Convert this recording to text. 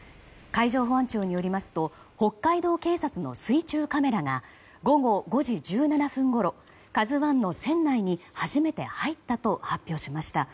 海上保安庁によりますと北海道警察の水中カメラが午後５時１７分ごろ「ＫＡＺＵ１」の船内に初めて入ったと発表しました。